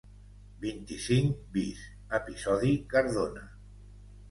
Vint-i-cinc bis Episodi Cardona.